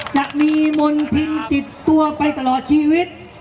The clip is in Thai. จะมีมณฑินติดตัวไปตลอดชีวิต